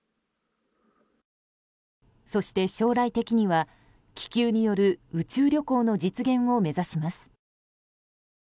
そして将来的には気球による宇宙旅行の実現を目指します。